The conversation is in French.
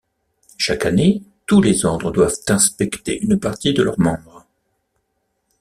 Chaque année, tous les ordres doivent inspecter une partie de leurs membres.